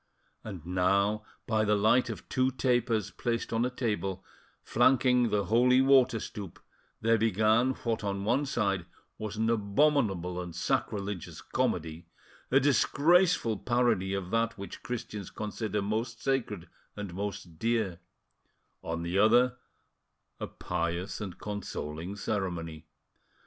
And now, by the light of two tapers placed on a table, flanking the holy water stoup, there began what on one side was an abominable and sacrilegious comedy, a disgraceful parody of that which Christians consider most sacred and most dear; on the other, a pious and consoling ceremony.